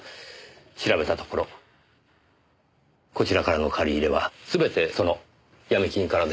調べたところこちらからの借り入れはすべてそのヤミ金からでした。